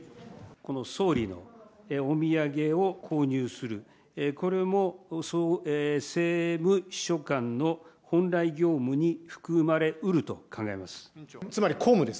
この総理のお土産を購入する、これも政務秘書官の本来業務に含まれうると考えます。